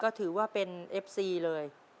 ก็ถือว่าเป็นเอฟซีเลย